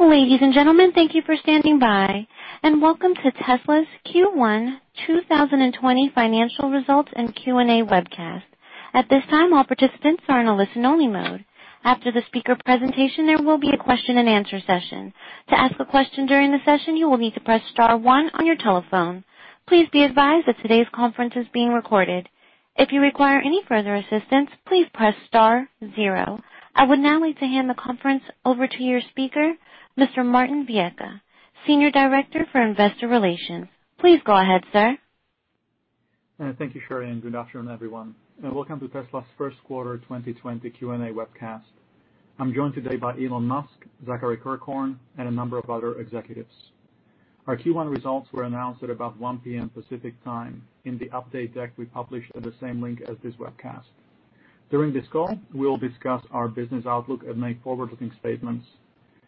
Ladies and gentlemen, thank you for standing by and welcome to Tesla's Q1 2020 Financial Results and Q&A Webcast. I would now like to hand the conference over to your speaker, Mr. Martin Viecha, Senior Director for Investor Relations. Please go ahead, sir. Thank you, Sharon. Good afternoon, everyone, and welcome to Tesla's first quarter 2020 Q&A webcast. I'm joined today by Elon Musk, Zachary Kirkhorn, and a number of other executives. Our Q1 results were announced at about 1:00 P.M. Pacific Time in the update deck we published at the same link as this webcast. During this call, we will discuss our business outlook and make forward-looking statements.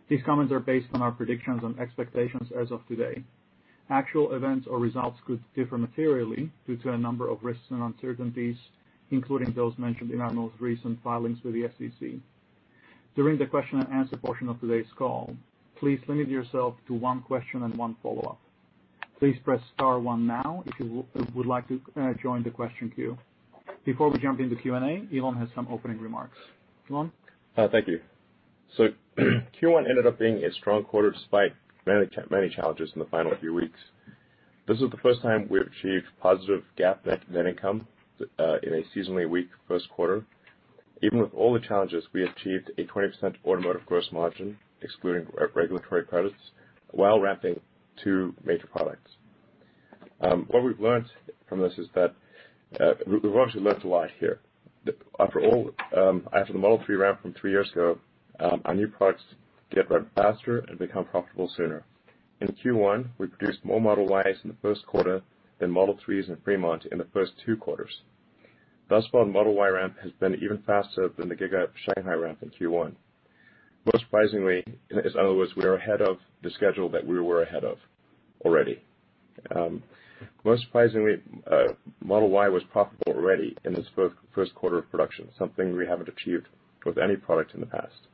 These comments are based on our predictions and expectations as of today. Actual events or results could differ materially due to a number of risks and uncertainties, including those mentioned in our most recent filings with the SEC. During the question and answer portion of today's call, please limit yourself to one question and one follow-up. Please press star one now if you would like to join the question queue. Before we jump into Q&A, Elon has some opening remarks. Elon. Thank you. Q1 ended up being a strong quarter despite many challenges in the final few weeks. This is the first time we achieved positive GAAP net income in a seasonally weak first quarter. Even with all the challenges, we achieved a 20% automotive gross margin, excluding regulatory credits, while ramping two major products. What we've learned from this is that we've actually learned a lot here. After all, after the Model 3 ramp from three years ago, our new products get ramped faster and become profitable sooner. In Q1, we produced more Model Ys in the first quarter than Model 3s in Fremont in the first two quarters. Thus far, the Model Y ramp has been even faster than the Giga Shanghai ramp in Q1. Most surprisingly, in other words, we are ahead of the schedule that we were ahead of already. Most surprisingly, Model Y was profitable already in its first quarter of production, something we haven't achieved with any product in the past.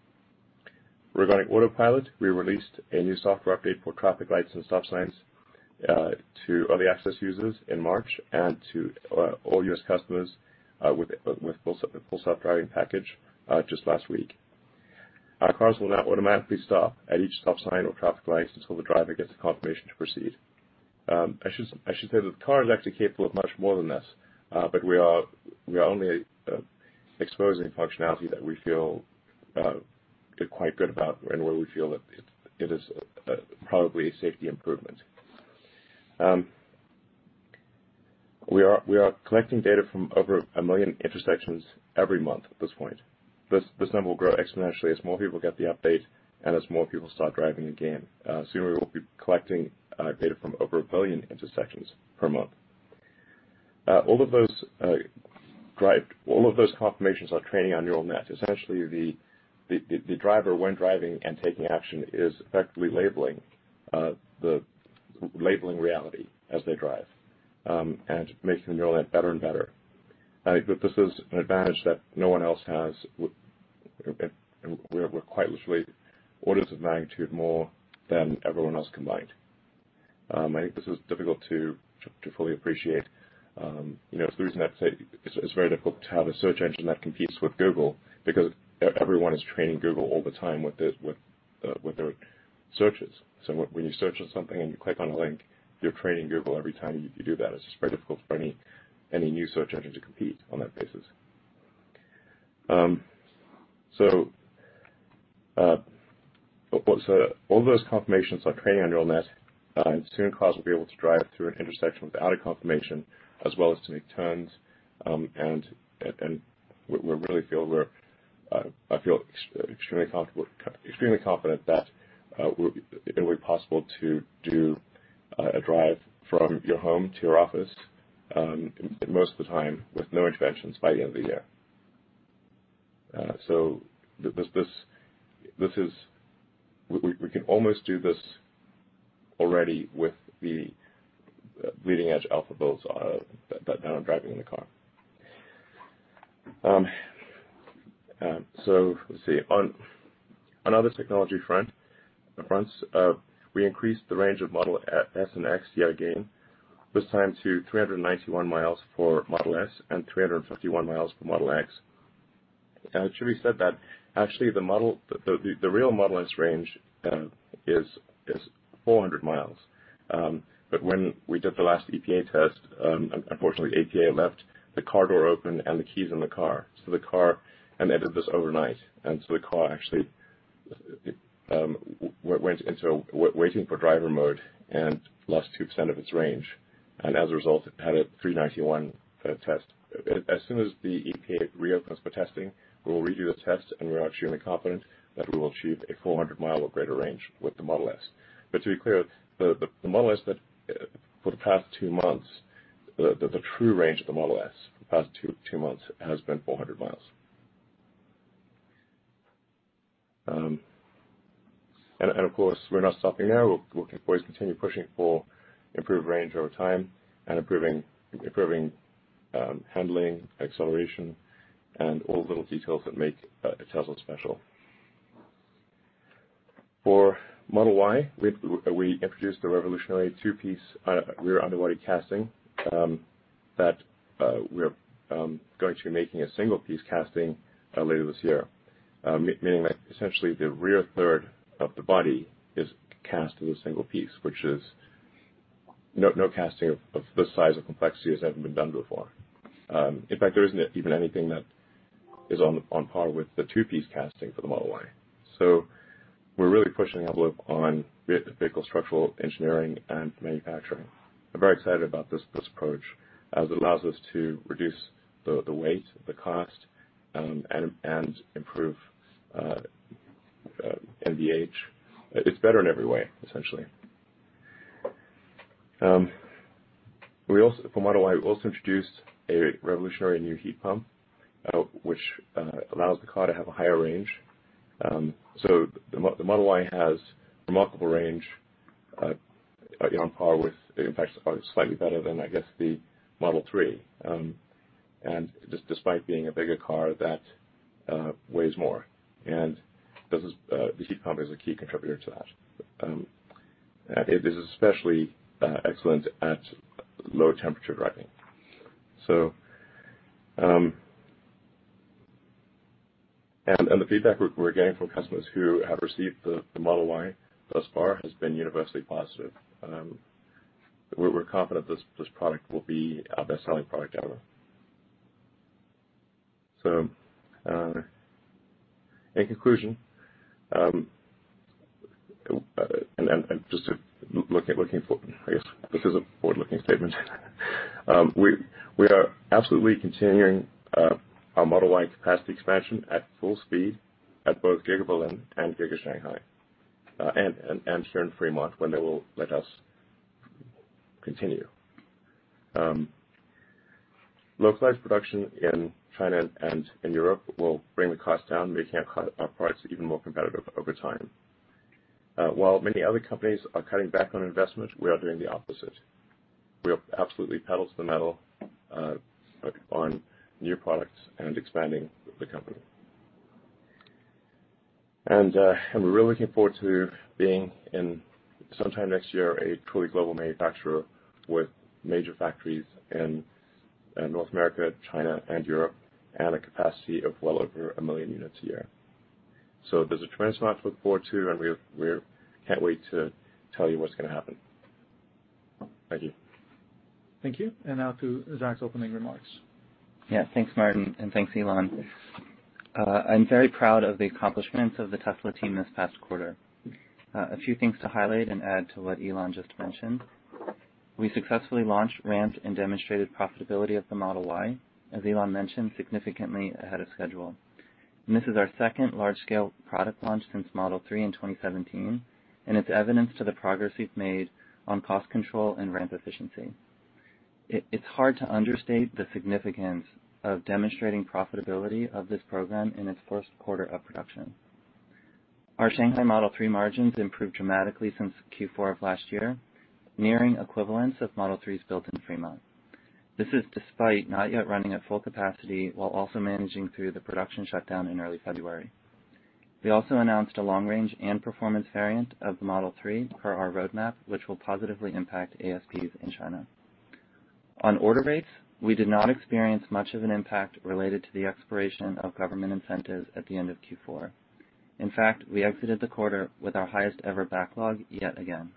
Regarding Autopilot, we released a new software update for traffic lights and stop signs to early access users in March and to all U.S. customers with Full Self-Driving package just last week. Our cars will now automatically stop at each stop sign or traffic light until the driver gets a confirmation to proceed. I should say that the car is actually capable of much more than this, but we are only exposing functionality that we feel quite good about and where we feel that it is probably a safety improvement. We are collecting data from over a million intersections every month at this point. This number will grow exponentially as more people get the update and as more people start driving again. Soon we will be collecting data from over a billion intersections per month. All of those confirmations are training our neural net. Essentially, the driver, when driving and taking action, is effectively labeling reality as they drive and making the neural net better and better. This is an advantage that no one else has with quite literally orders of magnitude more than everyone else combined. I think this is difficult to fully appreciate. You know, it's the reason I say it's very difficult to have a search engine that competes with Google because everyone is training Google all the time with their, with their searches. When you search on something and you click on a link, you're training Google every time you do that. It's just very difficult for any new search engine to compete on that basis. All those confirmations are training our neural net. Soon cars will be able to drive through an intersection without a confirmation as well as to make turns. We really feel we're extremely confident that it will be possible to do a drive from your home to your office most of the time with no interventions by the end of the year. This is we can almost do this already with the leading-edge alpha builds that are driving in the car. Let's see. On other technology fronts, we increased the range of Model S and X yet again, this time to 391 miles for Model S and 351 miles for Model X. It should be said that actually the real Model S range is 400 miles. When we did the last EPA test, unfortunately, the EPA left the car door open and the keys in the car. They did this overnight. The car actually went into waiting for driver mode and lost 2% of its range. As a result, it had a 391 test. As soon as the EPA reopens for testing, we will redo the test, and we are extremely confident that we will achieve a 400-mile or greater range with the Model S. To be clear, the Model S that for the past two months, the true range of the Model S for the past two months has been 400 miles. Of course, we're not stopping there. We'll always continue pushing for improved range over time and improving handling, acceleration, and all the little details that make a Tesla special. For Model Y, we introduced the revolutionary two-piece rear underbody casting that we're going to be making a single-piece casting later this year. Meaning like essentially the rear third of the body is cast as a single-piece, which is no casting of the size and complexity has ever been done before. In fact, there isn't even anything that is on par with the two-piece casting for the Model Y. We're really pushing the envelope on vehicle structural engineering and manufacturing. I'm very excited about this approach, as it allows us to reduce the weight, the cost, and improve NVH. It's better in every way, essentially. For Model Y, we also introduced a revolutionary new heat pump, which allows the car to have a higher range. The Model Y has remarkable range, on par with, in fact, probably slightly better than, I guess, the Model 3. Despite being a bigger car that weighs more. This is the heat pump is a key contributor to that. It is especially excellent at low temperature driving. The feedback we're getting from customers who have received the Model Y thus far has been universally positive. We're confident this product will be our best-selling product ever. In conclusion, just looking for I guess this is a forward-looking statement. We are absolutely continuing our Model Y capacity expansion at full speed at both Giga Berlin and Giga Shanghai, and soon Fremont when they will let us continue. Localized production in China and in Europe will bring the cost down, making our products even more competitive over time. While many other companies are cutting back on investment, we are doing the opposite. We are absolutely pedal to the metal on new products and expanding the company. We're really looking forward to being in, sometime next year, a truly global manufacturer with major factories in North America, China, and Europe, and a capacity of well over a million units a year. There's a tremendous amount to look forward to, we can't wait to tell you what's gonna happen. Thank you. Thank you. Now to Zach's opening remarks. Yeah. Thanks, Martin, and thanks, Elon. I'm very proud of the accomplishments of the Tesla team this past quarter. A few things to highlight and add to what Elon just mentioned. We successfully launched, ramped, and demonstrated profitability of the Model Y, as Elon mentioned, significantly ahead of schedule. This is our second large scale product launch since Model 3 in 2017, and it's evidence to the progress we've made on cost control and ramp efficiency. It's hard to understate the significance of demonstrating profitability of this program in its first quarter of production. Our Shanghai Model 3 margins improved dramatically since Q4 of last year, nearing equivalence of Model 3's built in Fremont. This is despite not yet running at full capacity, while also managing through the production shutdown in early February. We also announced a Long Range and Performance variant of the Model 3 per our roadmap, which will positively impact ASPs in China. On order rates, we did not experience much of an impact related to the expiration of government incentives at the end of Q4. In fact, we exited the quarter with our highest ever backlog yet again.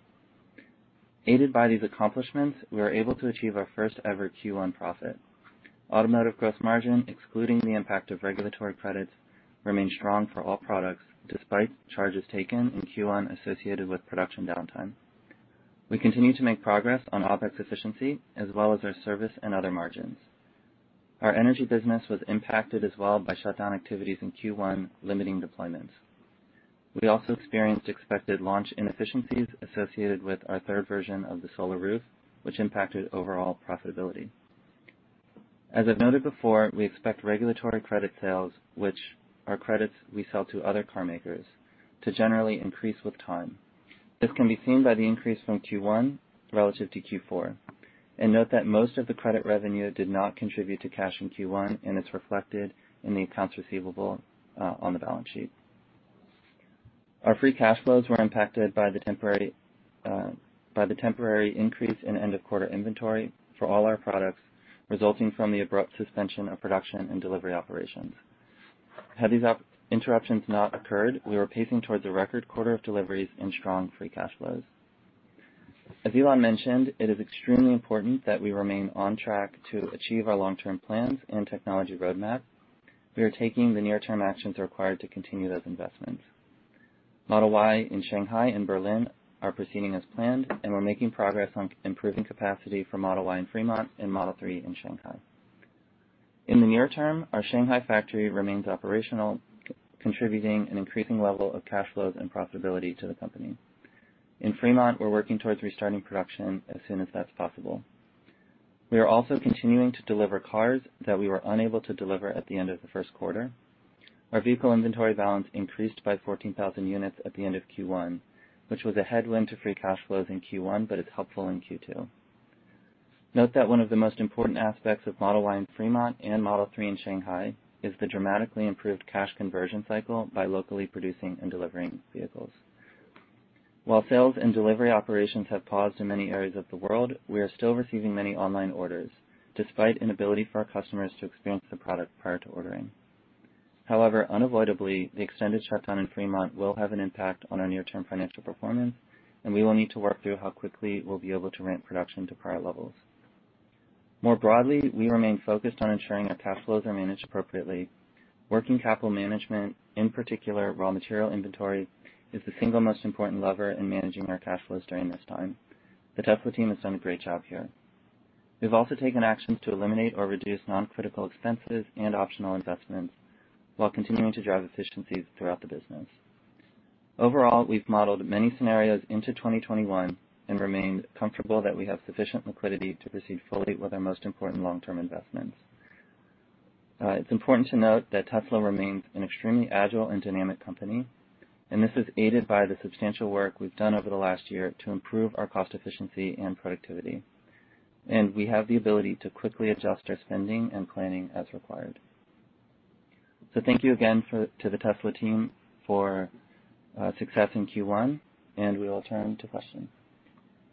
Aided by these accomplishments, we were able to achieve our first ever Q1 profit. Automotive gross margin, excluding the impact of regulatory credits, remained strong for all products despite charges taken in Q1 associated with production downtime. We continue to make progress on OpEx efficiency as well as our service and other margins. Our energy business was impacted as well by shutdown activities in Q1, limiting deployments. We also experienced expected launch inefficiencies associated with our third version of the Solar Roof, which impacted overall profitability. As I've noted before, we expect regulatory credit sales, which are credits we sell to other car makers, to generally increase with time. This can be seen by the increase from Q1 relative to Q4. Note that most of the credit revenue did not contribute to cash in Q1, and it's reflected in the accounts receivable on the balance sheet. Our free cash flows were impacted by the temporary increase in end of quarter inventory for all our products, resulting from the abrupt suspension of production and delivery operations. Had these interruptions not occurred, we were pacing towards a record quarter of deliveries and strong free cash flows. As Elon mentioned, it is extremely important that we remain on track to achieve our long-term plans and technology roadmap. We are taking the near term actions required to continue those investments. Model Y in Shanghai and Berlin are proceeding as planned. We're making progress on improving capacity for Model Y in Fremont and Model 3 in Shanghai. In the near term, our Shanghai factory remains operational, contributing an increasing level of cash flows and profitability to the company. In Fremont, we're working towards restarting production as soon as that's possible. We are also continuing to deliver cars that we were unable to deliver at the end of the first quarter. Our vehicle inventory balance increased by 14,000 units at the end of Q1, which was a headwind to free cash flows in Q1, but it's helpful in Q2. Note that one of the most important aspects of Model Y in Fremont and Model 3 in Shanghai is the dramatically improved cash conversion cycle by locally producing and delivering vehicles. While sales and delivery operations have paused in many areas of the world, we are still receiving many online orders despite inability for our customers to experience the product prior to ordering. Unavoidably, the extended shutdown in Fremont will have an impact on our near-term financial performance, and we will need to work through how quickly we'll be able to ramp production to prior levels. We remain focused on ensuring our cash flows are managed appropriately. Working capital management, in particular raw material inventory, is the single most important lever in managing our cash flows during this time. The Tesla team has done a great job here. We've also taken actions to eliminate or reduce non-critical expenses and optional investments while continuing to drive efficiencies throughout the business. Overall, we've modeled many scenarios into 2021 and remained comfortable that we have sufficient liquidity to proceed fully with our most important long-term investments. It's important to note that Tesla remains an extremely agile and dynamic company, and this is aided by the substantial work we've done over the last year to improve our cost efficiency and productivity. We have the ability to quickly adjust our spending and planning as required. Thank you again to the Tesla team for success in Q1, and we will turn to questions.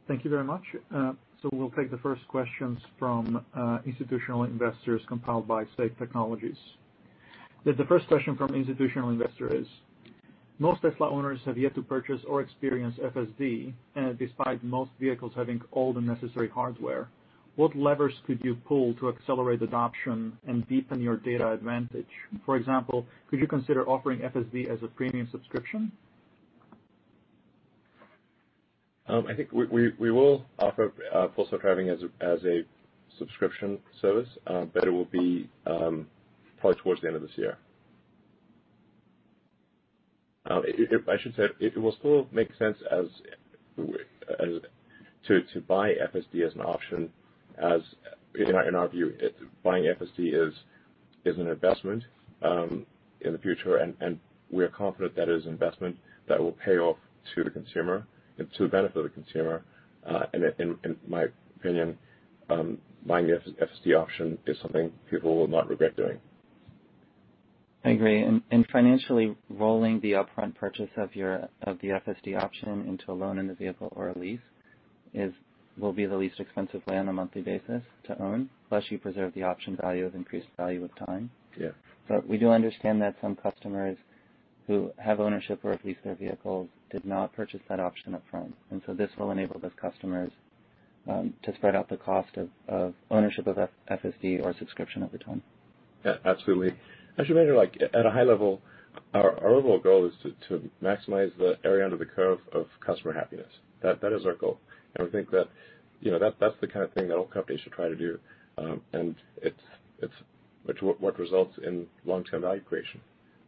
Thank you very much. We'll take the first questions from institutional investors compiled by Say Technologies. The first question from institutional investor is, most Tesla owners have yet to purchase or experience FSD, despite most vehicles having all the necessary hardware. What levers could you pull to accelerate adoption and deepen your data advantage? For example, could you consider offering FSD as a premium subscription? I think we will offer Full Self-Driving as a subscription service. It will be probably towards the end of this year. I should say it will still make sense as to buy FSD as an option as in our view, buying FSD is an investment in the future and we are confident that is investment that will pay off to the consumer and to the benefit of the consumer. In my opinion, buying the FSD option is something people will not regret doing. I agree. Financially rolling the upfront purchase of the FSD option into a loan in the vehicle or a lease will be the least expensive way on a monthly basis to own, plus you preserve the option value of increased value with time. Yeah. We do understand that some customers who have ownership or at least their vehicles did not purchase that option up front. This will enable those customers to spread out the cost of ownership of FSD or subscription over time. Yeah, absolutely. I should mention, like, at a high level, our overall goal is to maximize the area under the curve of customer happiness. That is our goal. We think that, you know, that's the kind of thing that all companies should try to do. It's what results in long-term value creation,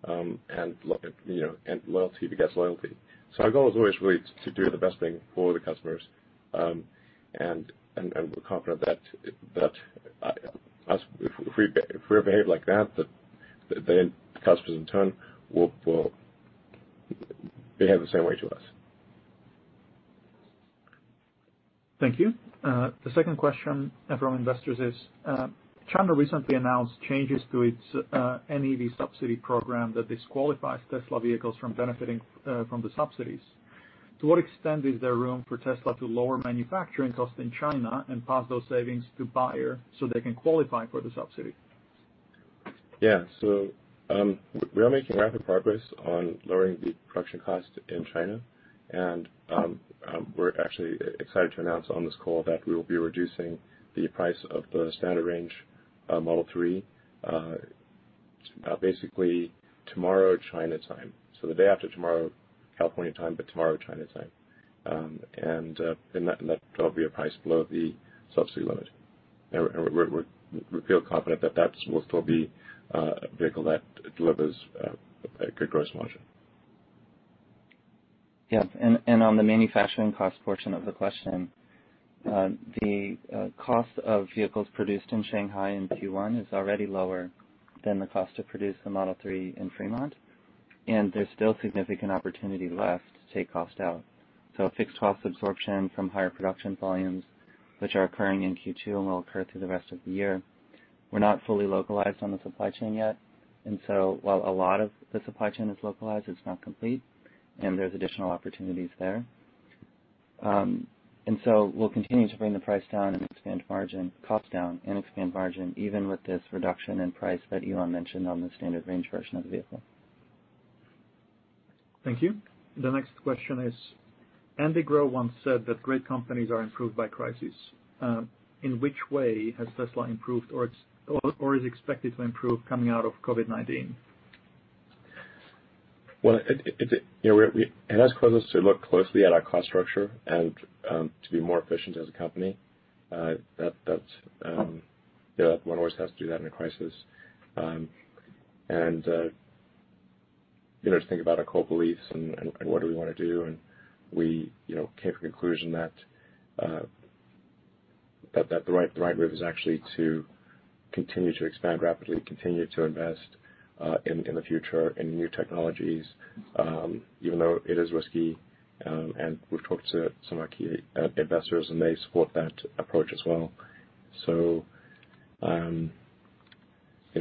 you know, loyalty begets loyalty. Our goal is always really to do the best thing for the customers. We're confident that if we behave like that, then customers in turn will behave the same way to us. Thank you. The second question from investors is, China recently announced changes to its NEV subsidy program that disqualifies Tesla vehicles from benefiting from the subsidies. To what extent is there room for Tesla to lower manufacturing costs in China and pass those savings to buyer so they can qualify for the subsidy? We are making rapid progress on lowering the production cost in China. We are actually excited to announce on this call that we will be reducing the price of the Standard Range Model 3 basically tomorrow China time. The day after tomorrow, California time, but tomorrow China time. That will be a price below the subsidy limit. We feel confident that that will still be a vehicle that delivers a good gross margin. On the manufacturing cost portion of the question, the cost of vehicles produced in Shanghai in Q1 is already lower than the cost to produce the Model 3 in Fremont, and there's still significant opportunity left to take cost out. A fixed cost absorption from higher production volumes, which are occurring in Q2 and will occur through the rest of the year. We're not fully localized on the supply chain yet, and so while a lot of the supply chain is localized, it's not complete, and there's additional opportunities there. We'll continue to bring the price down and expand margin, cost down and expand margin, even with this reduction in price that Elon mentioned on the Standard Range version of the vehicle. Thank you. The next question is, Andy Grove once said that great companies are improved by crisis. In which way has Tesla improved or is expected to improve coming out of COVID-19? Well, it, you know, it has caused us to look closely at our cost structure and to be more efficient as a company. That, you know, one always has to do that in a crisis. And, you know, to think about our core beliefs and what do we want to do. We, you know, came to the conclusion that the right move is actually to continue to expand rapidly, continue to invest in the future in new technologies, even though it is risky. We've talked to some of our key investors, and they support that approach as well. You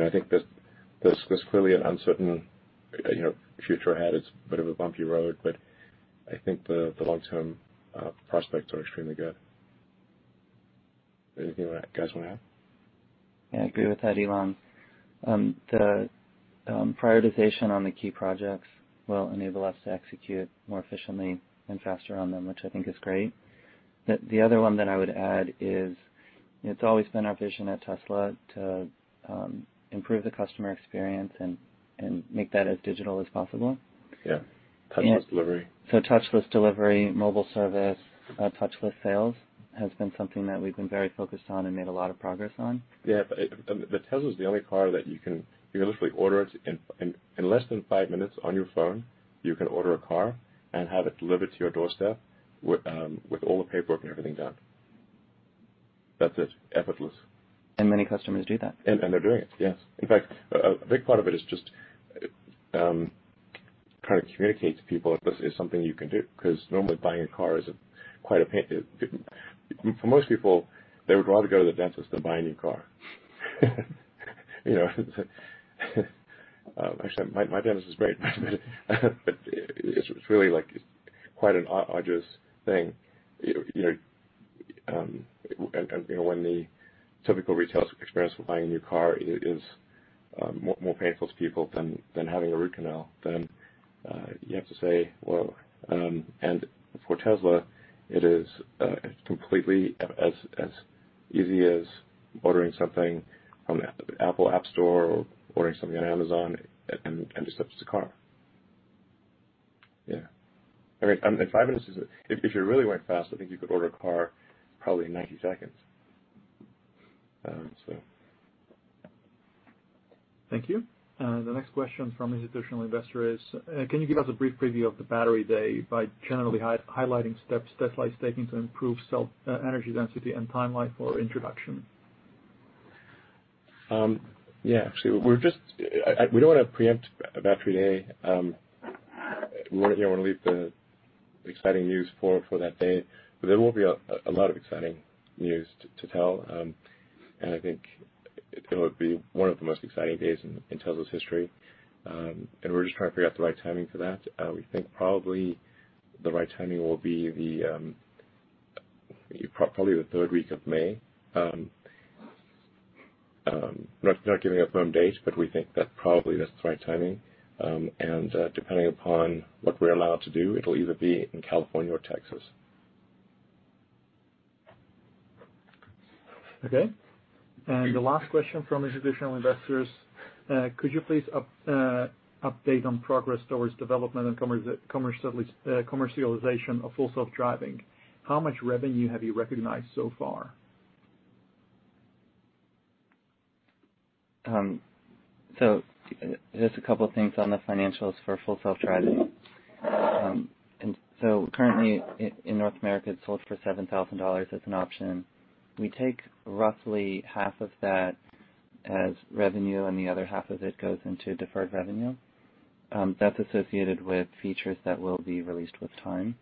know, I think that there's clearly an uncertain, you know, future ahead. It's a bit of a bumpy road. I think the long-term prospects are extremely good. Anything you guys wanna add? Yeah, I agree with that, Elon. The prioritization on the key projects will enable us to execute more efficiently and faster on them, which I think is great. The other one that I would add is, you know, it's always been our vision at Tesla to improve the customer experience and make that as digital as possible. Yeah. Touchless delivery. Touchless delivery, mobile service, touchless sales has been something that we've been very focused on and made a lot of progress on. Yeah, the Tesla is the only car that you can literally order it in less than five minutes on your phone. You can order a car and have it delivered to your doorstep with all the paperwork and everything done. That's it. Effortless. Many customers do that. They're doing it, yes. In fact, a big part of it is just trying to communicate to people that this is something you can do, 'cause normally buying a car is quite a pain. For most people, they would rather go to the dentist than buy a new car. You know? Actually, my dentist is great. It's really, like, quite an odious thing. You know, when the typical retail experience with buying a new car is more painful to people than having a root canal, then you have to say, well, For Tesla, it is completely as easy as ordering something from the Apple App Store or ordering something on Amazon and just up to car. Yeah. I mean, If you're really went fast, I think you could order a car probably in 90 seconds. Thank you. The next question from institutional investor is, can you give us a brief preview of the Battery Day by generally highlighting steps Tesla is taking to improve cell energy density and timeline for introduction? Yeah. Actually, we're just we don't wanna preempt Battery Day. We wanna, you know, wanna leave the exciting news for that day. There will be a lot of exciting news to tell. I think it'll be one of the most exciting days in Tesla's history. We're just trying to figure out the right timing for that. We think probably the right timing will be the probably the third week of May. Not giving a firm date, we think that probably that's the right timing. Depending upon what we're allowed to do, it'll either be in California or Texas. Okay. The last question from institutional investors, could you please update on progress towards development and commercialization of Full Self-Driving? How much revenue have you recognized so far? Just a couple of things on the financials for Full Self-Driving. Currently in North America, it's sold for $7,000 as an option. We take roughly half of that as revenue, and the other half of it goes into deferred revenue that's associated with features that will be released with time.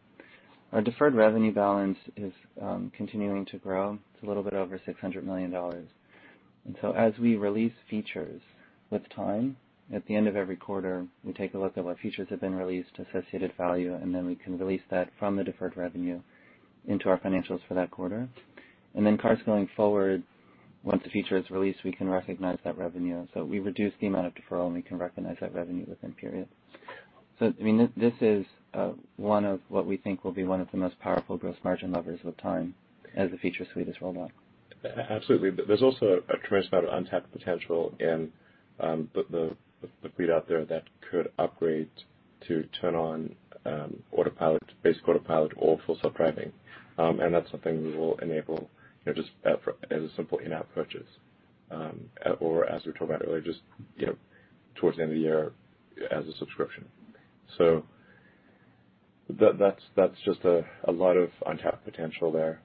Our deferred revenue balance is continuing to grow. It's a little bit over $600 million. As we release features with time, at the end of every quarter, we take a look at what features have been released, associated value, we can release that from the deferred revenue into our financials for that quarter. Cars going forward, once a feature is released, we can recognize that revenue. We reduce the amount of deferral, we can recognize that revenue within period. I mean, this is one of what we think will be one of the most powerful gross margin levers with time as the feature suite is rolled out. Absolutely. There's also a tremendous amount of untapped potential in the fleet out there that could upgrade to turn on Autopilot, Basic Autopilot or full self-driving. And that's something we will enable, you know, just as a simple in-app purchase, or as we talked about earlier, just, you know, towards the end of the year as a subscription. That's just a lot of untapped potential there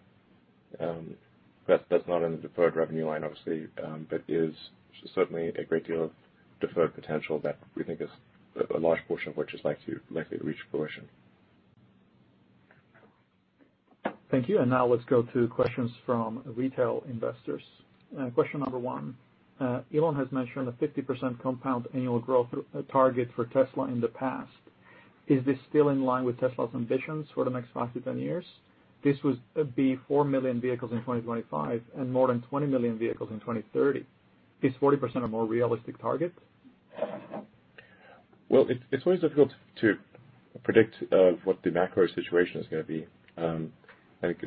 that's not in the deferred revenue line, obviously, but is certainly a great deal of deferred potential that we think is a large portion of which is likely to reach fruition. Thank you. Now let's go to questions from retail investors. Question number one. Elon has mentioned a 50% compound annual growth target for Tesla in the past. Is this still in line with Tesla's ambitions for the next 5-10 years? This would be 4 million vehicles in 2025 and more than 20 million vehicles in 2030. Is 40% a more realistic target? Well, it's always difficult to predict what the macro situation is gonna be. I think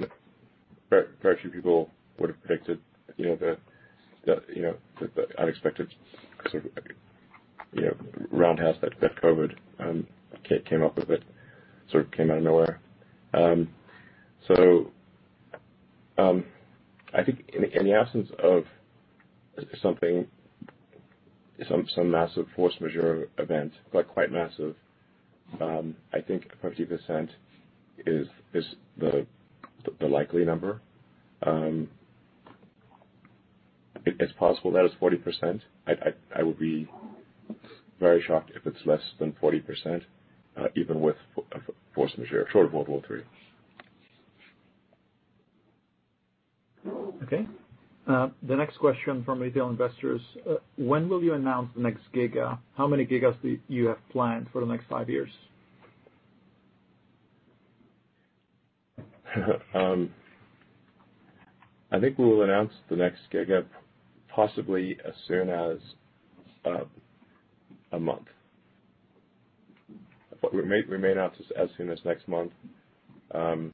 very few people would have predicted, you know, the, you know, the unexpected sort of, you know, roundhouse that COVID came up with. It sort of came out of nowhere. I think in the absence of something, some massive force majeure event, like quite massive, I think 50% is the likely number. It's possible that it's 40%. I would be very shocked if it's less than 40%, even with force majeure, short of World War II. Okay. The next question from retail investors. When will you announce the next giga? How many gigas do you have planned for the next five years? I think we will announce the next giga possibly as soon as a month. We may announce as soon as next month. There's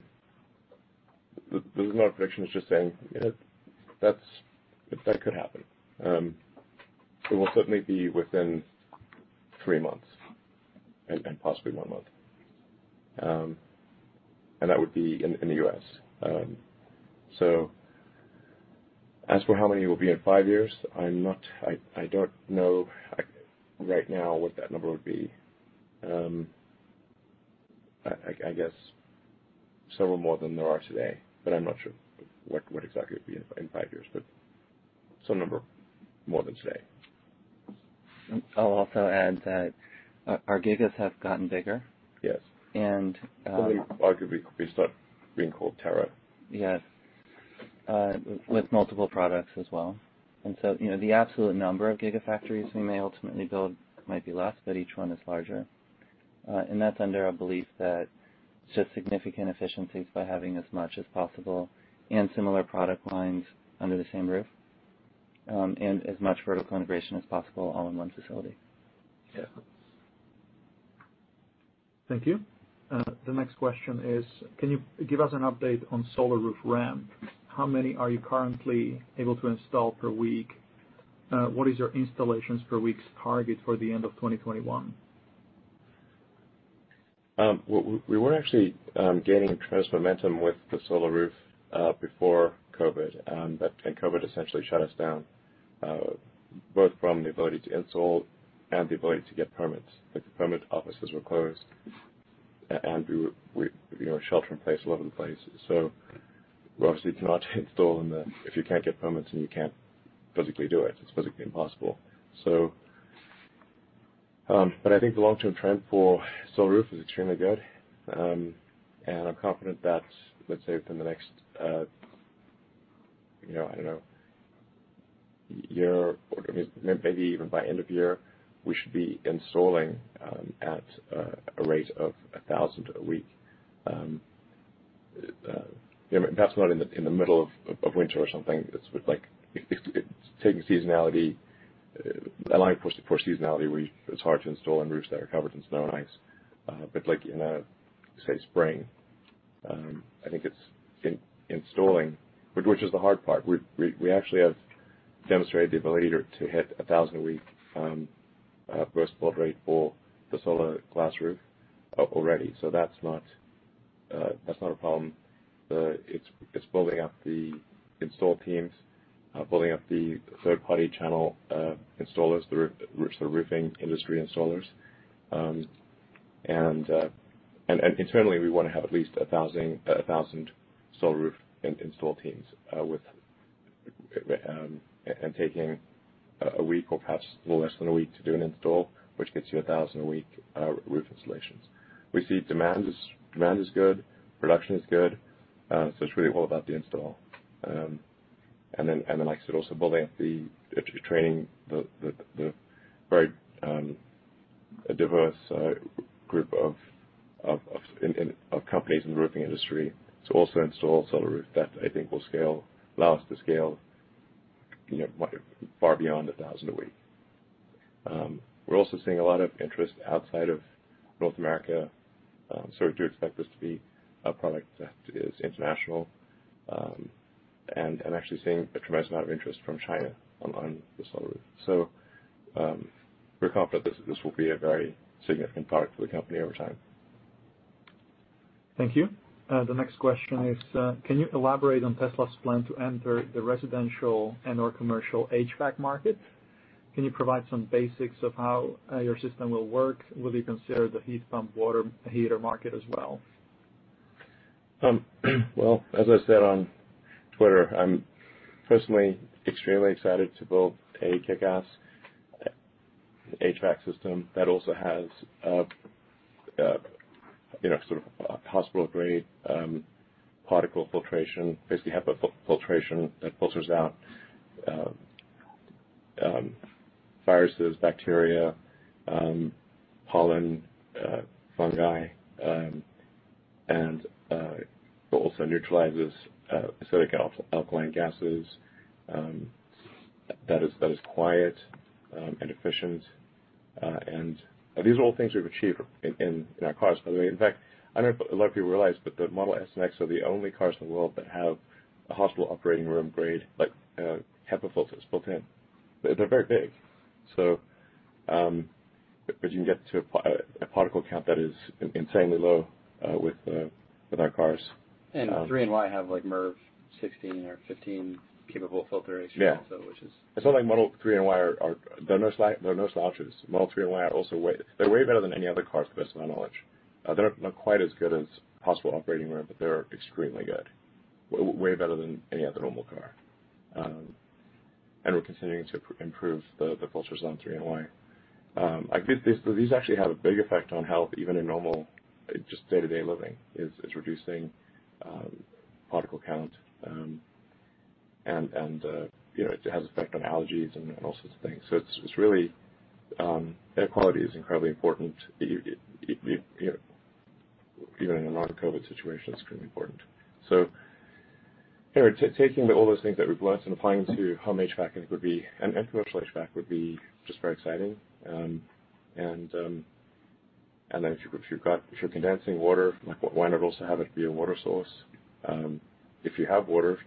no prediction. Just saying that could happen. It will certainly be within three months and possibly one month. And that would be in the U.S. So as for how many it will be in five years, I don't know right now what that number would be. I guess several more than there are today, but I'm not sure what exactly it'd be in five years, but some number more than today. I'll also add that our gigas have gotten bigger. Yes. And, um- They arguably could be start being called tera. Yes. With multiple products as well. You know, the absolute number of gigafactories we may ultimately build might be less, but each one is larger. That's under a belief that just significant efficiencies by having as much as possible and similar product lines under the same roof, and as much vertical integration as possible all in one facility. Yeah. Thank you. The next question is, can you give us an update on Solar Roof ramp? How many are you currently able to install per week? What is your installations per week's target for the end of 2021? We were actually gaining tremendous momentum with the Solar Roof before COVID. COVID essentially shut us down, both from the ability to install and the ability to get permits. Like, the permit offices were closed and we were, you know, shelter in place all over the place. We obviously cannot install in the If you can't get permits, then you can't physically do it. It's physically impossible. I think the long-term trend for Solar Roof is extremely good. I'm confident that, let's say within the next, you know, I don't know, year or maybe even by end of year, we should be installing at a rate of 1,000 a week. Perhaps not in the middle of winter or something. It's like it's taking seasonality, allowing for seasonality, it's hard to install on roofs that are covered in snow and ice. Like in a, say, spring, I think it's installing, which is the hard part. We actually have demonstrated the ability to hit 1,000 a week first mod rate for the Solar Roof already. That's not, that's not a problem. It's building up the install teams, building up the third-party channel installers, the roofing industry installers. And internally, we wanna have at least 1,000 Solar Roof install teams with and taking a week or perhaps a little less than a week to do an install, which gets you 1,000 a week roof installations. We see demand is good, production is good. It's really all about the install. Then like I said, also training the very diverse group of companies in the roofing industry to also install Solar Roof. That, I think will scale, allow us to scale, you know, far beyond 1,000 a week. We're also seeing a lot of interest outside of North America. We do expect this to be a product that is international, and actually seeing a tremendous amount of interest from China on the Solar Roof. We're confident this will be a very significant product for the company over time. Thank you. The next question is, can you elaborate on Tesla's plan to enter the residential and/or commercial HVAC market? Can you provide some basics of how your system will work? Will you consider the heat pump water heater market as well? Well, as I said on Twitter, I'm personally extremely excited to build a kickass HVAC system that also has, you know, sort of hospital-grade particle filtration, basically HEPA filtration that filters out viruses, bacteria, pollen, fungi, and also neutralizes acidic and alkaline gases that is quiet and efficient. These are all things we've achieved in our cars. In fact, I don't know if a lot of people realize, but the Model S and X are the only cars in the world that have a hospital operating room grade, like HEPA filters built in. They're very big. You can get to a particle count that is insanely low with our cars. 3 and Y have like MERV 16 or 15 capable filtration also which is. Yeah. It's not like Model 3 and Y are. They're no slouches. Model 3 and Y are also way better than any other cars to the best of my knowledge. They're not quite as good as hospital operating room, but they're extremely good. Way better than any other normal car. We're continuing to improve the filters on 3 and Y. I think these actually have a big effect on health, even in normal, just day-to-day living, is reducing particle count. You know, it has effect on allergies and all sorts of things. It's really air quality is incredibly important. You know, even in a non-COVID situation, it's really important. You know, taking all those things that we've learned and applying to home HVAC and commercial HVAC would be just very exciting. If you're condensing water, like why not also have it be a water source? If you have water,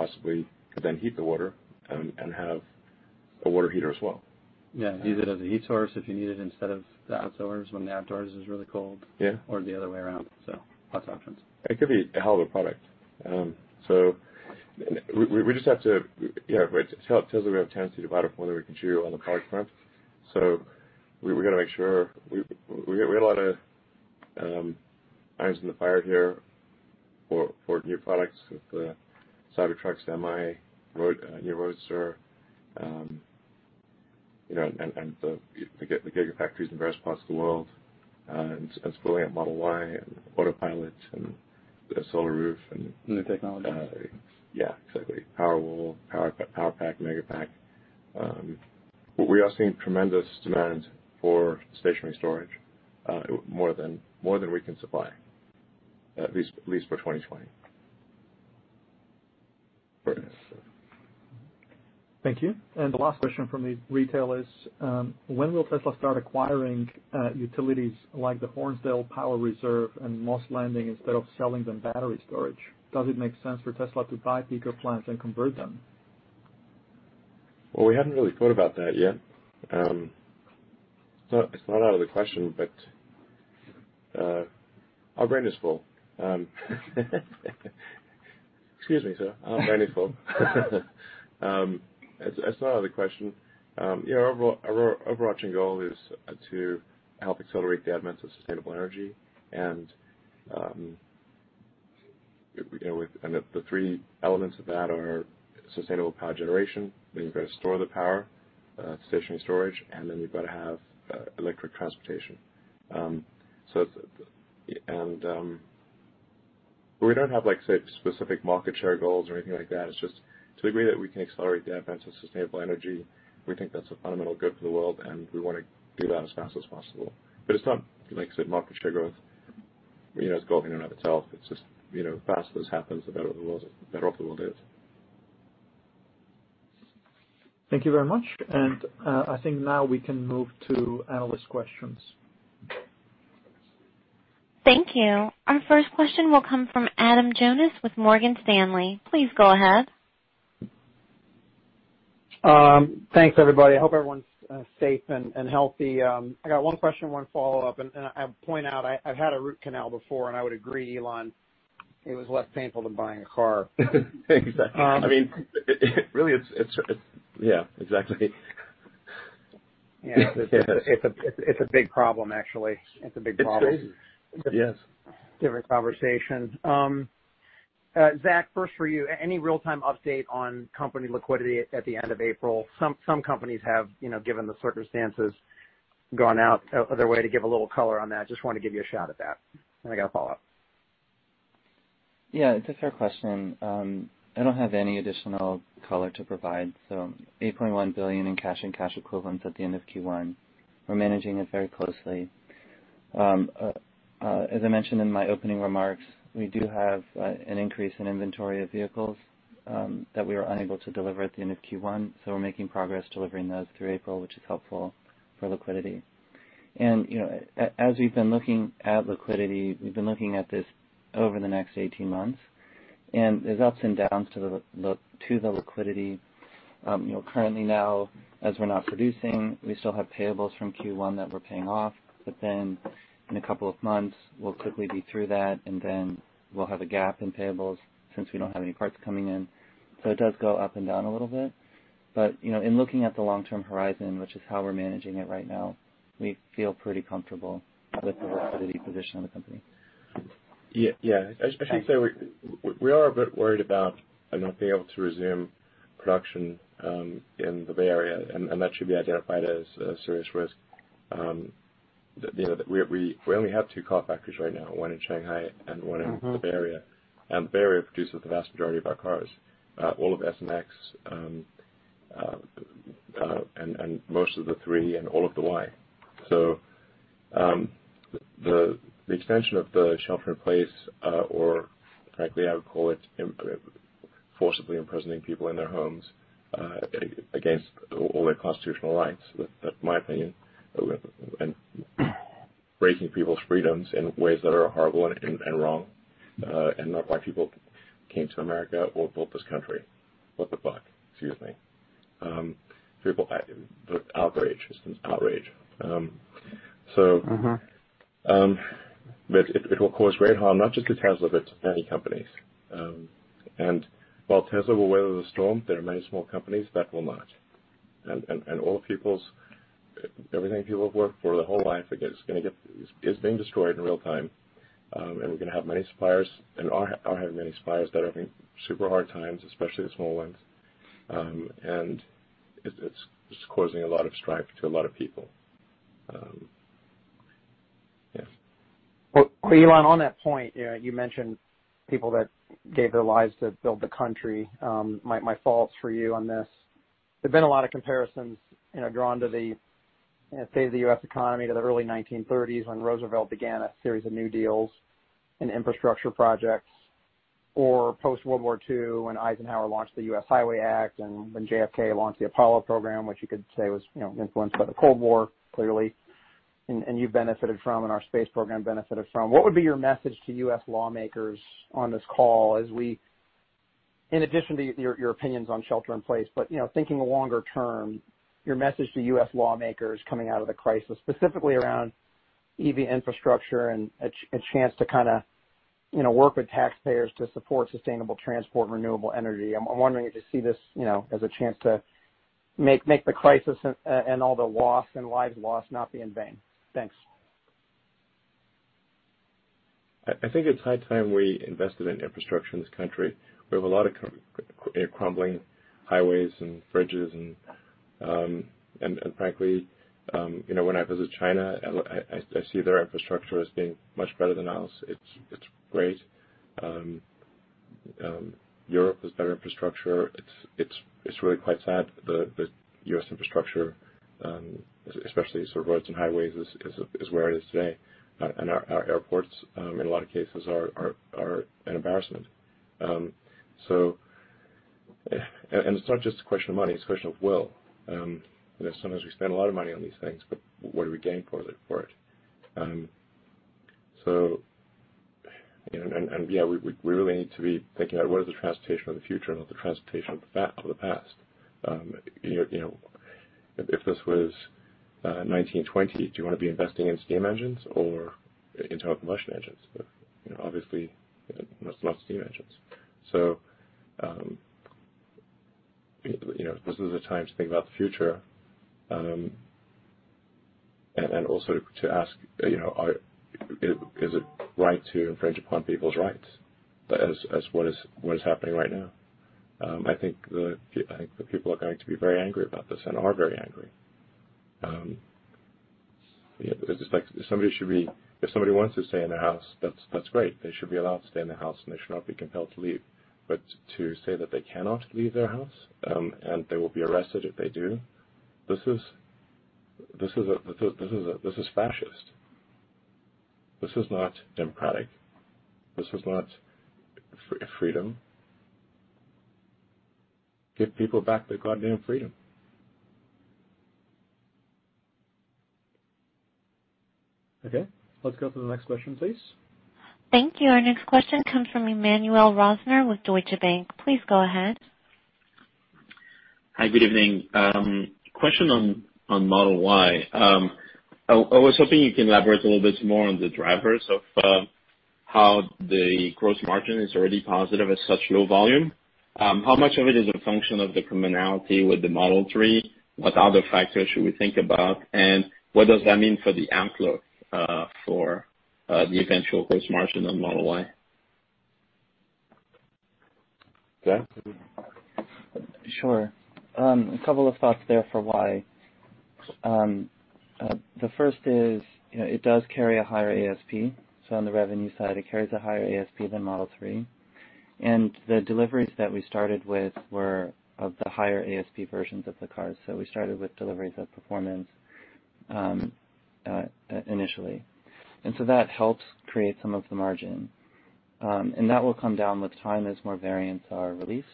you possibly could then heat the water and have a water heater as well. Yeah, use it as a heat source if you need it instead of the outdoors when the outdoors is really cold. Yeah. Or the other way around. Lots of options. It could be a hell of a product. we just have to, yeah, tell that we have tendency to bite off more than we can chew on the product front. we gotta make sure we got a lot of irons in the fire here for new products with the Cybertrucks, Semi, road, new Roadster. you know, and the Gigafactories in various parts of the world, and scaling up Model Y and Autopilot and the Solar Roof. New technology. Yeah, exactly. Powerwall, Powerpack, Megapack. We are seeing tremendous demand for stationary storage, more than we can supply, at least for 2020. For instance. Thank you. The last question from me, retail is, when will Tesla start acquiring utilities like the Hornsdale Power Reserve and Moss Landing instead of selling them battery storage? Does it make sense for Tesla to buy peaker plants and convert them? Well, we haven't really thought about that yet. It's not out of the question, but our brain is full. Excuse me, sir, our brain is full. It's not out of the question. You know, our overarching goal is to help accelerate the advent of sustainable energy, you know, with the three elements of that are sustainable power generation, then you've got to store the power, stationary storage, and then you've got to have electric transportation. We don't have, like, say, specific market share goals or anything like that. It's just to the degree that we can accelerate the advent of sustainable energy, we think that's a fundamental good for the world, and we wanna do that as fast as possible. It's not, like I said, market share growth. You know, it's a goal in and of itself. It's just, you know, the faster this happens, the better the world, the better off the world is. Thank you very much. I think now we can move to analyst questions. Thank you. Our first question will come from Adam Jonas with Morgan Stanley. Please go ahead. Thanks, everybody. I hope everyone's safe and healthy. I got one question, one follow-up. I point out I've had a root canal before, and I would agree, Elon, it was less painful than buying a car. Exactly. Um- I mean, really, it's yeah, exactly. Yeah. Yes. It's a big problem, actually. It's a big problem. It's yes. Different conversation. Zach, first for you, any real-time update on company liquidity at the end of April? Some companies have, you know, given the circumstances, gone out of their way to give a little color on that. Just wanted to give you a shot at that. I got a follow-up. Yeah, it's a fair question. I don't have any additional color to provide. $8.1 billion in cash and cash equivalents at the end of Q1. We're managing it very closely. As I mentioned in my opening remarks, we do have an increase in inventory of vehicles that we were unable to deliver at the end of Q1. We're making progress delivering those through April, which is helpful for liquidity. You know, as we've been looking at liquidity, we've been looking at this over the next 18 months, and there's ups and downs to the liquidity. You know, currently now, as we're not producing, we still have payables from Q1 that we're paying off. In a couple of months, we'll quickly be through that, and then we'll have a gap in payables since we don't have any parts coming in. It does go up and down a little bit. You know, in looking at the long-term horizon, which is how we're managing it right now, we feel pretty comfortable with the liquidity position of the company. Yeah. Yeah. I should say we are a bit worried about not being able to resume production in the Bay Area, and that should be identified as a serious risk. You know, we only have two car factories right now, one in Shanghai and one in the Bay Area. The Bay Area produces the vast majority of our cars. All of S and X, and most of the three and all of the Y. The extension of the shelter-in-place, or frankly, I would call it forcibly imprisoning people in their homes, against all their constitutional rights. That's my opinion. Breaking people's freedoms in ways that are horrible and wrong, not why people came to America or built this country. Excuse me. People outrage. It's outrage. It will cause great harm, not just to Tesla, but to many companies. While Tesla will weather the storm, there are many small companies that will not. Everything people have worked for their whole life is being destroyed in real time. We are going to have many suppliers and are having many suppliers that are having super hard times, especially the small ones. It is causing a lot of strife to a lot of people. Elon, on that point, you know, you mentioned people that gave their lives to build the country. My fault for you on this. There's been a lot of comparisons, you know, drawn to the state of the U.S. economy to the early 1930s when Roosevelt began a series of New Deals and infrastructure projects, or post-World War II when Eisenhower launched the U.S. Highway Act and when JFK launched the Apollo program, which you could say was, you know, influenced by the Cold War, clearly, and you benefited from and our space program benefited from. What would be your message to U.S. lawmakers on this call as we in addition to your opinions on shelter in place, but, you know, thinking longer term, your message to U.S. lawmakers coming out of the crisis, specifically around EV infrastructure and a chance to kinda, you know, work with taxpayers to support sustainable transport and renewable energy. I'm wondering if you see this, you know, as a chance to make the crisis and all the loss and lives lost not be in vain. Thanks. I think it's high time we invested in infrastructure in this country. We have a lot of crumbling highways and bridges. Frankly, you know, when I visit China, I see their infrastructure as being much better than ours. It's great. Europe has better infrastructure. It's really quite sad the U.S. infrastructure, especially sort of roads and highways is where it is today. Our airports, in a lot of cases are an embarrassment. It's not just a question of money, it's a question of will. You know, sometimes we spend a lot of money on these things, but what do we gain for it? You know, we really need to be thinking about what is the transportation of the future, not the transportation of the past. You know, if this was 1920, do you wanna be investing in steam engines or internal combustion engines? You know, obviously, it's not steam engines. You know, this is a time to think about the future, and then also to ask, you know, is it right to infringe upon people's rights as what is happening right now? I think the people are going to be very angry about this and are very angry. It's just like if somebody wants to stay in their house, that's great. They should be allowed to stay in their house, and they should not be compelled to leave. To say that they cannot leave their house, and they will be arrested if they do, this is fascist. This is not democratic. This is not freedom. Give people back their goddamn freedom. Okay, let's go to the next question, please. Thank you. Our next question comes from Emmanuel Rosner with Deutsche Bank. Please go ahead. Hi, good evening. Question on Model Y. I was hoping you can elaborate a little bit more on the drivers of how the gross margin is already positive at such low volume. How much of it is a function of the commonality with the Model 3? What other factors should we think about? What does that mean for the outlook for the eventual gross margin on Model Y? Zach? Sure. A couple of thoughts there for Y. The first is, you know, it does carry a higher ASP. On the revenue side, it carries a higher ASP than Model 3. The deliveries that we started with were of the higher ASP versions of the cars. We started with deliveries of performance initially. That helps create some of the margin. That will come down with time as more variants are released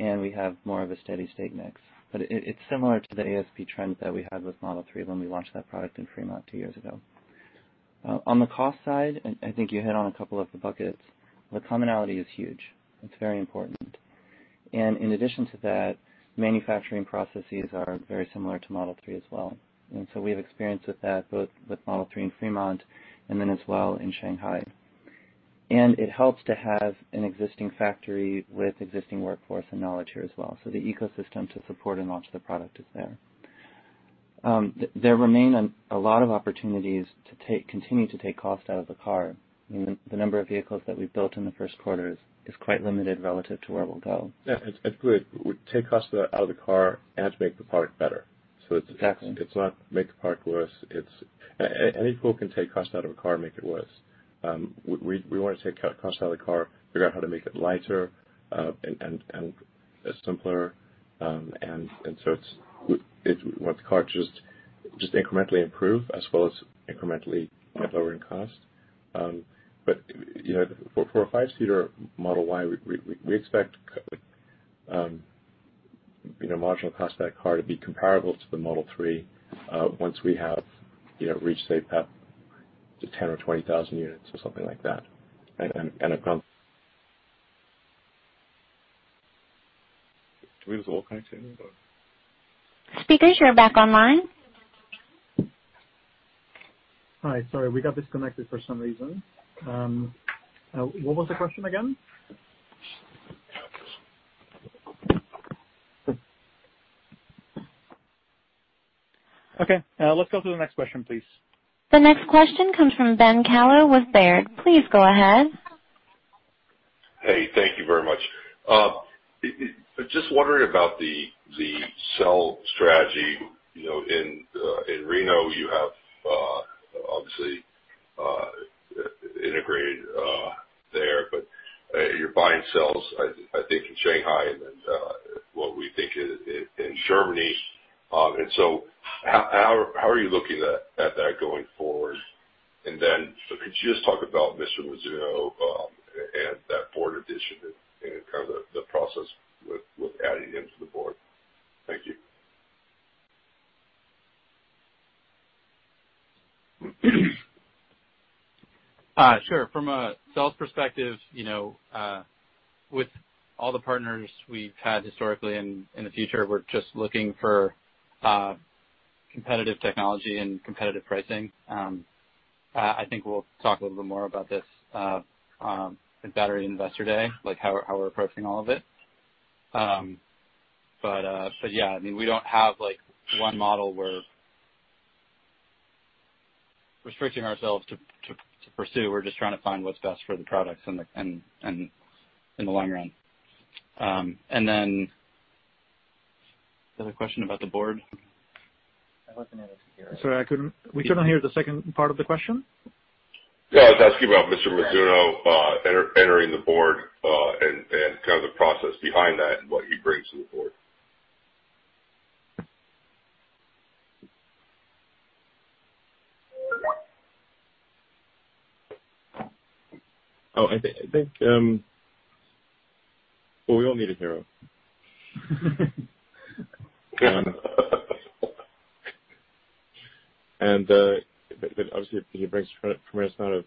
and we have more of a steady state mix. It's similar to the ASP trend that we had with Model 3 when we launched that product in Fremont two years ago. On the cost side, I think you hit on a couple of the buckets. The commonality is huge. It's very important. In addition to that, manufacturing processes are very similar to Model 3 as well. We have experience with that, both with Model 3 in Fremont and then as well in Shanghai. It helps to have an existing factory with existing workforce and knowledge here as well. The ecosystem to support and launch the product is there. There remain a lot of opportunities to continue to take cost out of the car. I mean, the number of vehicles that we've built in the first quarter is quite limited relative to where we'll go. Yeah, it's good. We take cost out of the car and to make the product better. Absolutely. It's not make the product worse. It's any fool can take cost out of a car and make it worse. We wanna take cost out of the car, figure out how to make it lighter, and simpler. So it's We want the car to incrementally improve as well as incrementally lowering cost. You know, for a 5-seater Model Y, we expect, You know, marginal cost of that car to be comparable to the Model 3, once we have, you know, reached say up to 10 or 20 thousand units or something like that. Of course- Do we lose all connection or? Speaker, you are back online. Hi. Sorry, we got disconnected for some reason. What was the question again? Okay. Let's go to the next question, please. The next question comes from Ben Kallo with Baird. Please go ahead. Hey, thank you very much. Just wondering about the cell strategy. You know, in Reno, you have obviously integrated there, but you're buying cells, I think in Shanghai and then what we think in Germany. How are you looking at that going forward? Could you just talk about Hiromichi Mizuno and that board addition and kind of the process with adding him to the board? Thank you. Sure. From a sales perspective, you know, with all the partners we've had historically and in the future, we're just looking for competitive technology and competitive pricing. I think we'll talk a little bit more about this at Battery Investor Day, like how we're approaching all of it. But yeah, I mean, we don't have like one model we're restricting ourselves to pursue. We're just trying to find what's best for the products in the and in the long run. Then the other question about the board. Sorry, we couldn't hear the second part of the question. Yeah, I was asking about Hiromichi Mizuno, entering the board, and kind of the process behind that and what he brings to the board. Oh, I think well, we all need a hero. Obviously he brings a tremendous amount of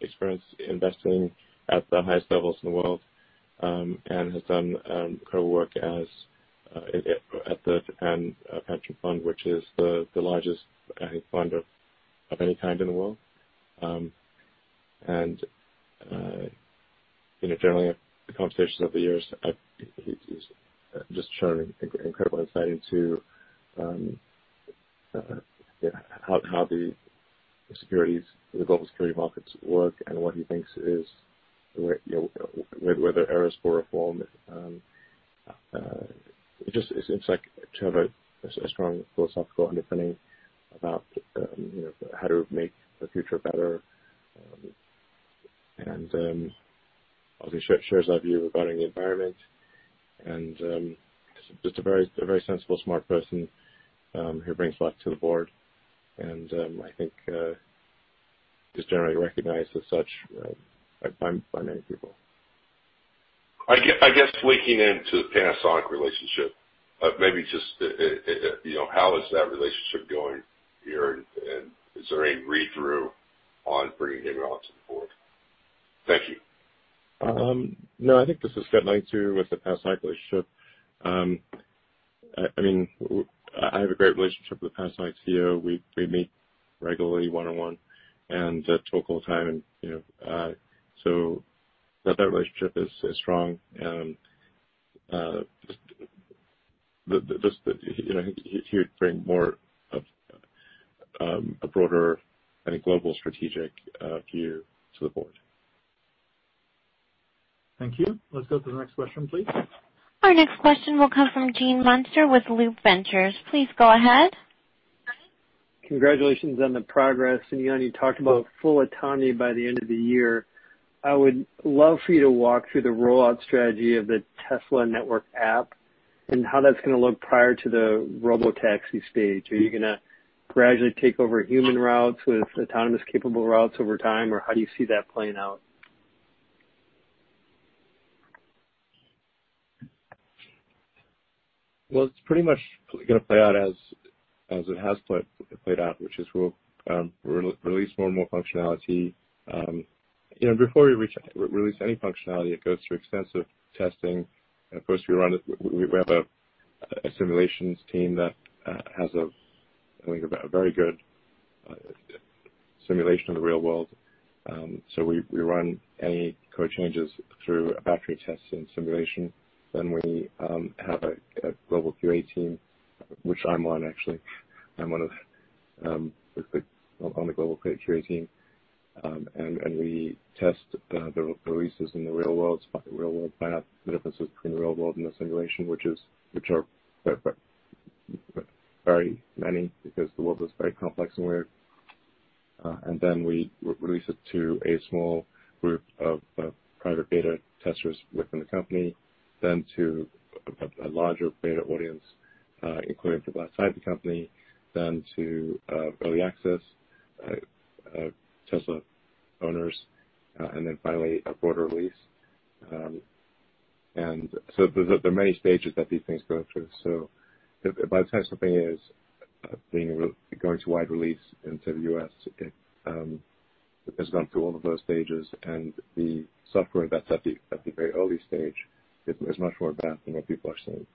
experience investing at the highest levels in the world, and has done incredible work at the Japan pension fund, which is the largest fund of any kind in the world. You know, generally the conversations over the years, he's just incredibly exciting to you know, how the securities, the global security markets work and what he thinks is where there are areas for reform. Just it seems like to have a strong philosophical underpinning about you know, how to make the future better. Obviously shares that view regarding the environment and, just a very, a very sensible, smart person, who brings a lot to the board and, I think, just generally recognized as such, by many people. I guess linking into the Panasonic relationship, maybe just, you know, how is that relationship going here, and is there any read-through on bringing him onto the board? Thank you. No, I think this has got links with the Panasonic relationship. I mean, I have a great relationship with Panasonic's CEO. We meet regularly one-on-one and talk all the time and, you know, so that relationship is strong and, just, you know, he would bring more of a broader, I think, global strategic view to the board. Thank you. Let's go to the next question, please. Our next question will come from Gene Munster with Loup Ventures. Please go ahead. Congratulations on the progress. Elon, you talked about full autonomy by the end of the year. I would love for you to walk through the rollout strategy of the Tesla Network app and how that's gonna look prior to the robotaxi stage. Are you gonna gradually take over human routes with autonomous capable routes over time, or how do you see that playing out? Well, it's pretty much gonna play out as it has played out, which is we'll release more and more functionality. You know, before we release any functionality, it goes through extensive testing. First we run it. We have a simulations team that has a, I think, a very good simulation of the real world. We run any code changes through a battery of tests and simulation. We have a global QA team, which I'm on, actually. I'm one of, on the global QA team. We test the releases in the real world, spot the real world path, the differences between the real world and the simulation, which are very many because the world is very complex and weird. Then we release it to a small group of private beta testers within the company, then to a larger beta audience, including for the blind sight of the company, then to early access Tesla owners, and then finally a quarter release. There are many stages that these things go through. By the time something is going to wide release into the U.S., it has gone through all of those stages and the software that's at the very early stage is much more advanced than what people are seeing.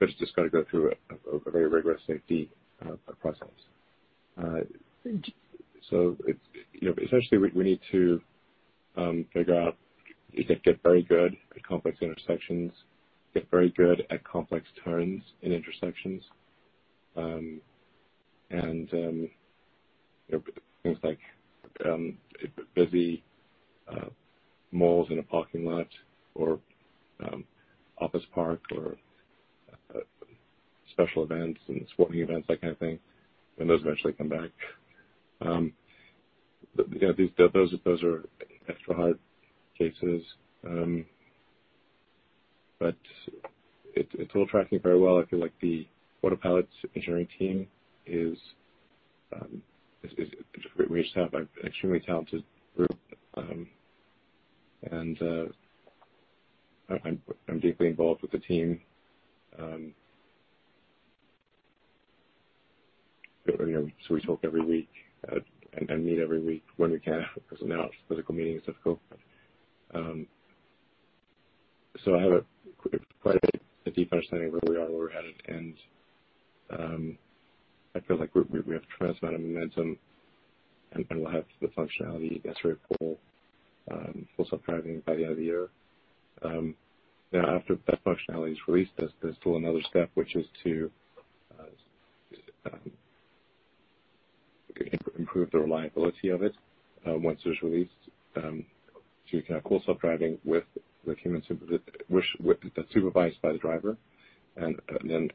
It's just got to go through a very rigorous safety process. You know, essentially we need to figure out we can get very good at complex intersections, get very good at complex turns in intersections, and, you know, things like busy malls in a parking lot or office park or special events and sporting events, that kind of thing, when those eventually come back. You know, those are extra hard cases. It's all tracking very well. I feel like the Autopilot engineering team is a great staff, an extremely talented group. I'm deeply involved with the team. You know, we talk every week, and meet every week when we can, 'cause now physical meetings are difficult. I have a quite a deep understanding of where we are, where we're headed, and I feel like we have a tremendous amount of momentum and we'll have the functionality that's very full, Full Self-Driving by the end of the year. After that functionality is released, there's still another step, which is to improve the reliability of it, once it's released, to kind of Full Self-Driving with human that's supervised by the driver. Then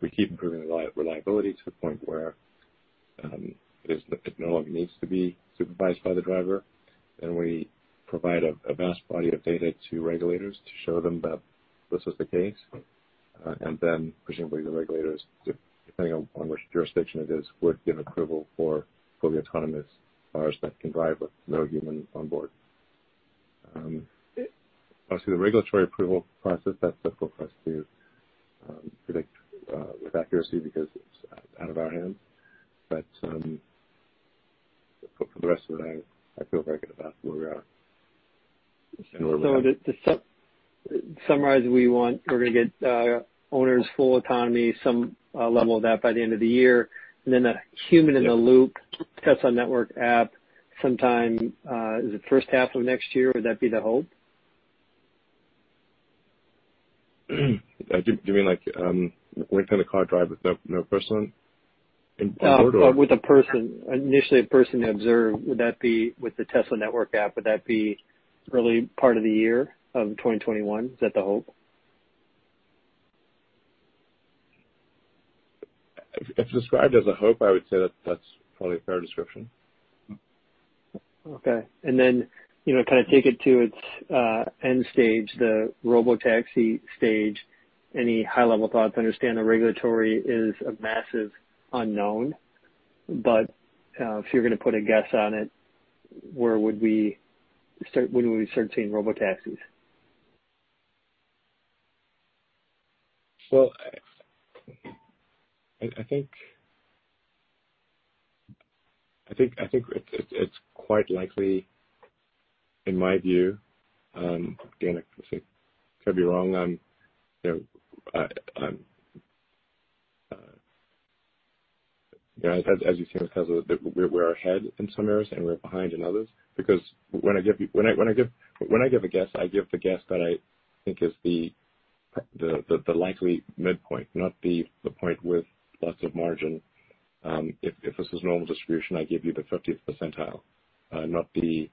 we keep improving the reliability to the point where it no longer needs to be supervised by the driver, and we provide a vast body of data to regulators to show them that this is the case, and then presumably the regulators, depending on which jurisdiction it is, would give approval for fully autonomous cars that can drive with no humans on board. Obviously the regulatory approval process, that's difficult for us to predict with accuracy because it's out of our hands. For the rest of it, I feel very good about where we are. To summarize, we're gonna get owners full autonomy, some level of that by the end of the year, and then the human in the loop Tesla Network app sometime, is it first half of next year? Would that be the hope? Do you mean like when can the car drive with no person on board? With a person. Initially, a person to observe. Would that be with the Tesla Network app? Would that be early part of the year of 2021? Is that the hope? If described as a hope, I would say that that's probably a fair description. Okay. Then, you know, kind of take it to its end stage, the robotaxi stage. Any high-level thought to understand the regulatory is a massive unknown, if you're gonna put a guess on it, when would we start seeing robotaxis? Well, I think it's quite likely, in my view. Again, I could be wrong. I'm, you know, as you've seen with Tesla, we're ahead in some areas and we're behind in others because when I give a guess, I give the guess that I think is the likely midpoint, not the point with lots of margin. If this is normal distribution, I give you the 50th percentile, not the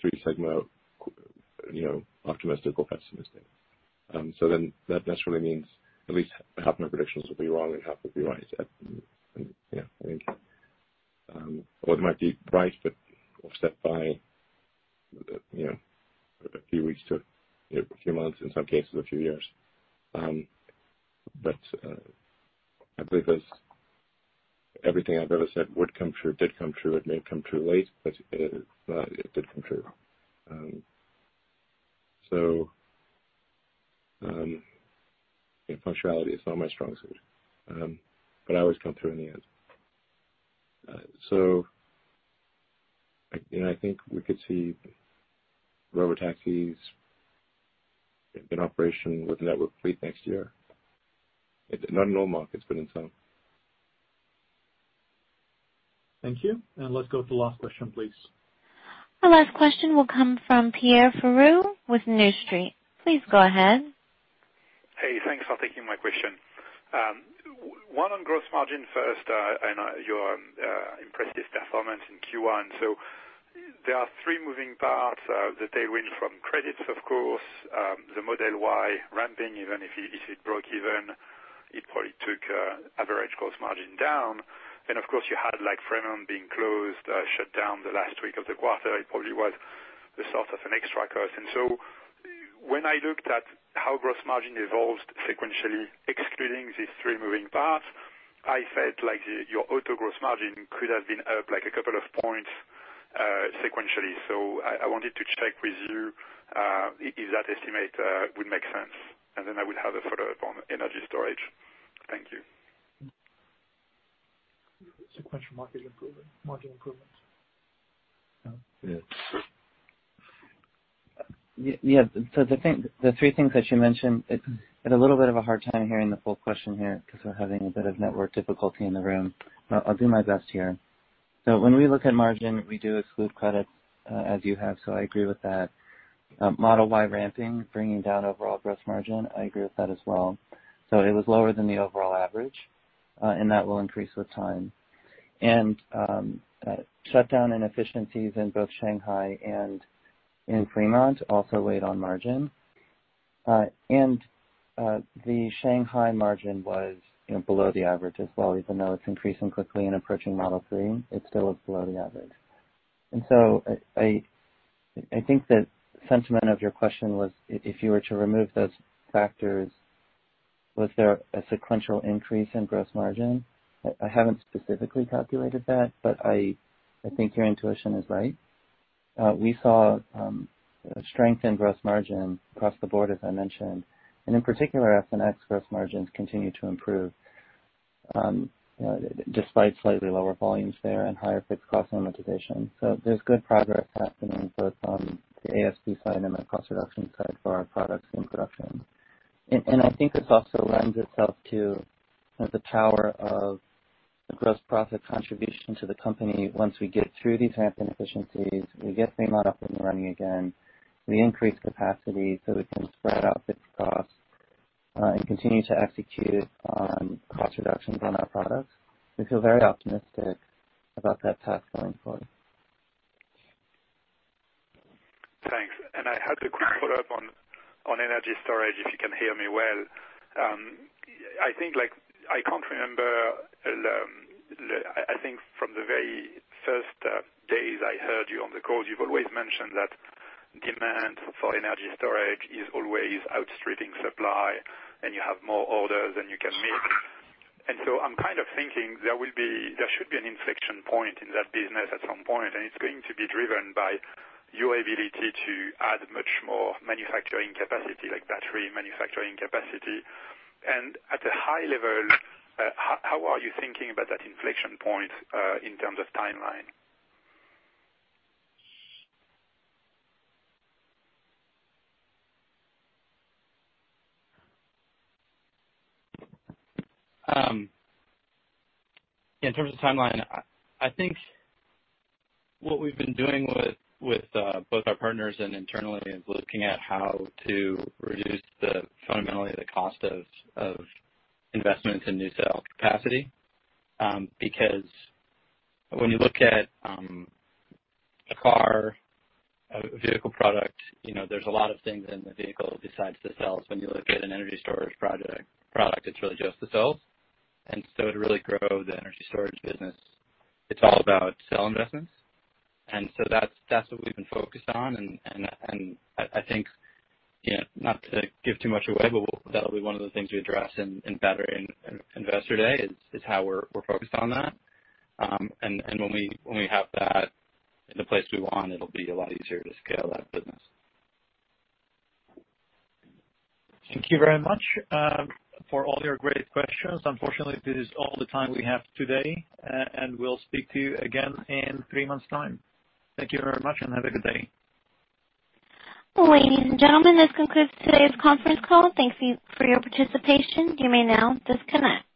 three sigma, you know, optimistic or pessimistic. That naturally means at least half my predictions will be wrong and half will be right. I think one might be priced but offset by, you know, a few weeks to a few months, in some cases a few years. I believe as everything I've ever said would come true, did come true. It may have come true late, but it did come true. You know, punctuality is not my strong suit, but I always come through in the end. You know, I think we could see robotaxis in operation with a network fleet next year. Not in all markets, but in some. Thank you. Let's go to the last question, please. Our last question will come from Pierre Ferragu with New Street. Please go ahead. Hey, thanks for taking my question. One on gross margin first. I know you're impressed with performance in Q1. There are three moving parts, the tailwind from credits, of course, the Model Y ramping, even if it broke even. It probably took average gross margin down. Of course, you had like Fremont being closed, shut down the last week of the quarter. It probably was the source of an extra cost. When I looked at how gross margin evolved sequentially, excluding these three moving parts, I felt like your auto gross margin could have been up like two points sequentially. I wanted to check with you if that estimate would make sense. I would have a follow-up on energy storage. Thank you. Sequential margin improvement. Margin improvement. Yes. Yes. The three things that you mentioned, had a little bit of a hard time hearing the full question here because we're having a bit of network difficulty in the room. I'll do my best here. When we look at margin, we do exclude credits, as you have, so I agree with that. Model Y ramping, bringing down overall gross margin, I agree with that as well. It was lower than the overall average, and that will increase with time. Shutdown inefficiencies in both Shanghai and in Fremont also weighed on margin. The Shanghai margin was, you know, below the average as well, even though it's increasing quickly and approaching Model 3, it still is below the average. I think the sentiment of your question was if you were to remove those factors, was there a sequential increase in gross margin? I haven't specifically calculated that, but I think your intuition is right. We saw strength in gross margin across the board, as I mentioned, and in particular, S and X gross margins continue to improve despite slightly lower volumes there and higher fixed cost amortization. There's good progress happening both on the ASP side and the cost reduction side for our products in production. I think this also lends itself to, you know, the power of the gross profit contribution to the company once we get through these ramp inefficiencies, we get Fremont up and running again, we increase capacity, so we can spread out fixed costs and continue to execute on cost reductions on our products. We feel very optimistic about that path going forward. Thanks. I had a quick follow-up on energy storage, if you can hear me well. I think I can't remember, I think from the very first days I heard you on the call, you've always mentioned that demand for energy storage is always outstripping supply, and you have more orders than you can meet. I'm kind of thinking there should be an inflection point in that business at some point, and it's going to be driven by your ability to add much more manufacturing capacity, like battery manufacturing capacity. At a high level, how are you thinking about that inflection point in terms of timeline? In terms of timeline, I think what we've been doing with both our partners and internally is looking at how to reduce fundamentally the cost of investments in new cell capacity. Because when you look at a vehicle product, you know, there's a lot of things in the vehicle besides the cells. When you look at an energy storage product, it's really just the cells. To really grow the energy storage business, it's all about cell investments. That's what we've been focused on. I think, you know, not to give too much away, but that'll be one of the things we address in Battery Investor Day, is how we're focused on that. When we have that in the place we want, it'll be a lot easier to scale that business. Thank you very much, for all your great questions. Unfortunately, this is all the time we have today, and we'll speak to you again in three months' time. Thank you very much, and have a good day. Ladies and gentlemen, this concludes today's conference call. Thank you for your participation. You may now disconnect.